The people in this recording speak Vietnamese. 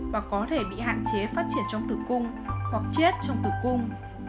và có thể bị hạn chế phát triển trong tử cung hoặc chết trong tử cung